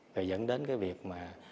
và dẫn đến cái việc mà